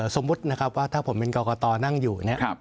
สมมุตินะครับว่าถ้าผมเป็นกรกตนั่งอยู่เนี่ย